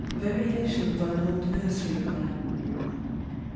VARIATIONS ON AN OLD NURSERY RHYME.